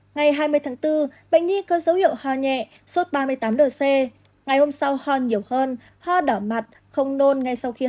ngày hai mươi tháng bốn bệnh nhi có dấu hiệu hoa nhẹ sốt ba mươi tám độ c ngày hôm sau hoa nhiều hơn hoa đỏ mặt không nôn ngay sau khi hoa